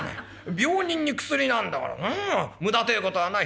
病人に薬なんだから無駄てえ事はない。